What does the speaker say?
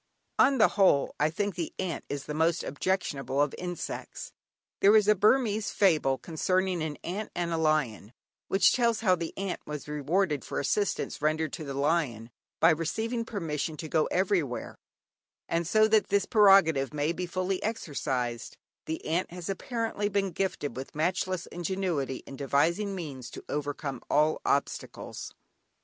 On the whole, I think the ant is the most objectionable of insects. There is a Burmese fable concerning an ant and a lion which tells how the ant was rewarded for assistance rendered to the lion, by receiving permission to go everywhere, and so that this prerogative may be fully exercised, the ant has, apparently, been gifted with matchless ingenuity in devising means to overcome all obstacles.